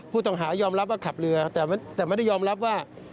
ผู้ต้องหายอมรับว่าขับเรือแต่ไม่ได้ยอมรับว่า